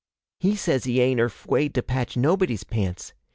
He says he ain't erfwaid to patch nobody's pants.